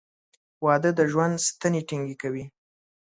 • واده د ژوند ستنې ټینګې کوي.